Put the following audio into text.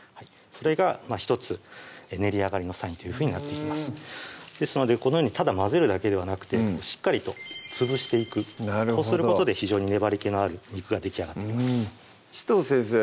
それが１つ練り上がりのサインというふうになっていますですのでこのようにただ混ぜるだけではなくてしっかりと潰していくそうすることで非常に粘りけのある肉ができあがってきます紫藤先生